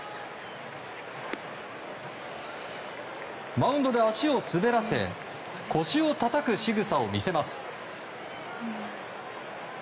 マウンドで足を滑らせ腰をたたくしぐさを見せます。